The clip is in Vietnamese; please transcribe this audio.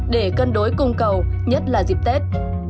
để cân đối cung cầu nhất là dịp tết